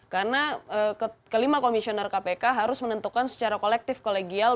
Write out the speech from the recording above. karena kelima komisioner kpk harus menentukan secara kolektif kolegial